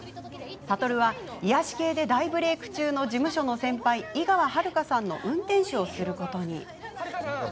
諭は、癒やし系で大ブレーク中の事務所の先輩井川遥さんの運転手をすることに。